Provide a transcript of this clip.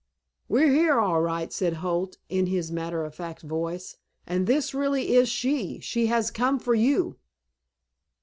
"We're here all right," said Holt, in his matter of fact voice. "And this really is she. She has come for you."